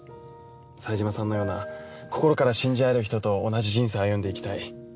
冴島さんのような心から信じあえる人と同じ人生を歩んでいきたい。